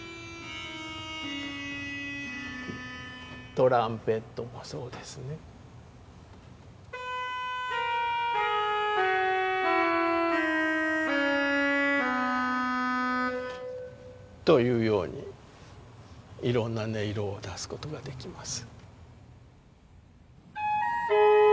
トランペットもそうですね。というようにいろんな音色を足すことができます。